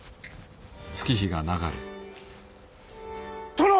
殿！